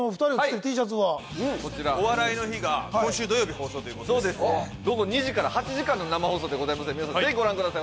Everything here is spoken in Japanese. こちら「お笑いの日」が今週土曜日放送ということで午後２時から８時間の生放送でございますのでぜひご覧ください